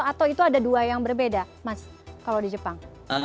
atau itu ada dua yang berbeda mas kalau di jepang